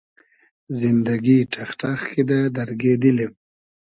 زیندئگی ݖئخ ݖئخ کیدۂ دئرگې دیلیم